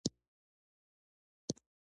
بیت الله شریفې ته نږدې یو ځای مو ونیو.